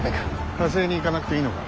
加勢に行かなくていいのか。